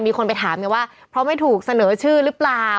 มีคนไปถามไงว่าเพราะไม่ถูกเสนอชื่อหรือเปล่า